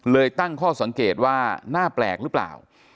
ตั้งข้อสังเกตว่าหน้าแปลกหรือเปล่า